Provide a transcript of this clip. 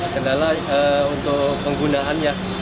kendala untuk penggunaannya